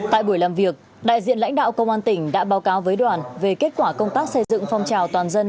tại buổi làm việc đại diện lãnh đạo công an tỉnh đã báo cáo với đoàn về kết quả công tác xây dựng phong trào toàn dân